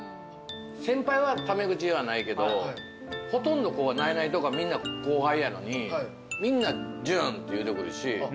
先輩はタメ口ではないけどナイナイとかみんな後輩やのにみんな「潤」って言うてくるし。